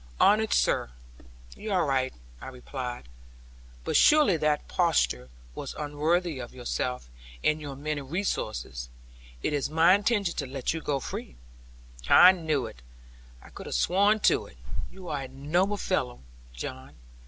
'Honoured sir, you are right,' I replied; 'but surely that posture was unworthy of yourself, and your many resources. It is my intention to let you go free.' 'I knew it. I could have sworn to it. You are a noble fellow, John.